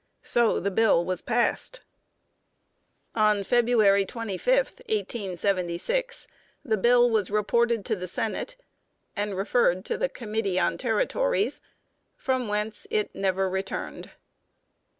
So the bill was passed. On February 25, 1876, the bill was reported to the Senate, and referred to the Committee on Territories, from whence it never returned.